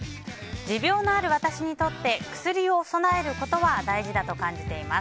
持病のある私にとって薬を備えることは大事だと感じています。